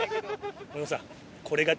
森本さん。